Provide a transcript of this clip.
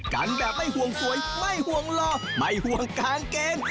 กันแบบไม่ห่วงสวยไม่ห่วงหล่อไม่ห่วงกางเกง